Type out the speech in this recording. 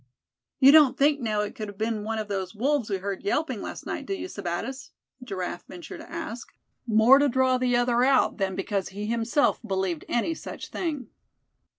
"You don't think, now, it could have been one of those wolves we heard yelping last night, do you, Sebattis?" Giraffe ventured to ask, more to draw the other out than because he himself believed any such thing.